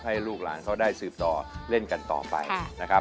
ให้ลูกหลานเขาได้สืบต่อเล่นกันต่อไปนะครับ